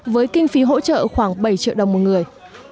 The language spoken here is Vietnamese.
với kinh phí hỗ trợ khoảng bảy triệu đồng một người